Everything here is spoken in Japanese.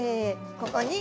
ここに。